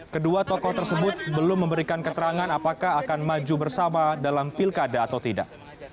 kedua tokoh tersebut belum memberikan keterangan apakah akan maju bersama dalam pilkada atau tidak